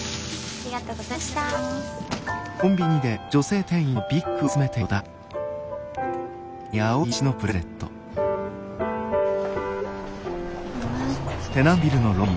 ありがとうございます。